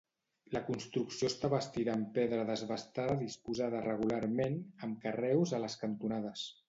La construcció està bastida amb pedra desbastada disposada regularment, amb carreus a les cantonades.